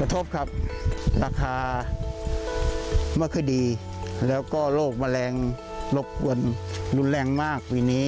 กระทบครับราคาไม่ค่อยดีแล้วก็โรคแมลงรบกวนรุนแรงมากปีนี้